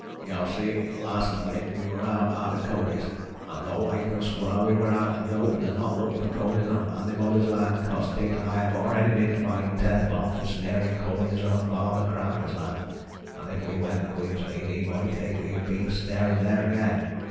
Yow see, last night we were out arter conies, and thow I can swar we were out in th' open and not lookin' for conies on annybody's land, cos Dick an' I have already bin fined ten bob for snarin' conies on Farmer Cranley's land, an' if we went to Queensmead he moight think we'd been a snarin' there again.